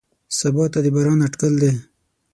سبا ته د باران اټکل دی.